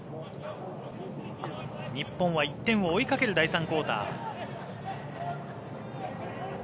日本は１点を追いかける第３クオーター。